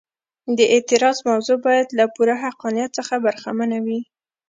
د اعتراض موضوع باید له پوره حقانیت څخه برخمنه وي.